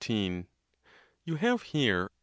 You have here a.